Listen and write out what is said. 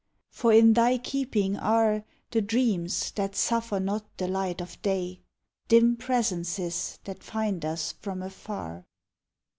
For in thy keeping are The Dreams that suffer not the light of day Dim presences, that find us from afar.